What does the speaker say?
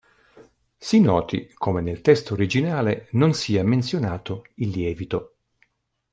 Si noti come nel testo originale non sia menzionato il lievito.